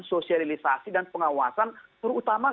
sosialisasi dan pengawasan terutama